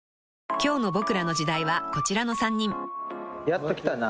［今日の『ボクらの時代』はこちらの３人］やっと来たな。